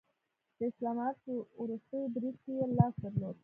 د اسلام آباد په وروستي برید کې یې لاس درلود